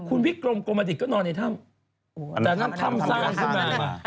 คุณพี่กลมโกมัติกก็นอนในถ้ำ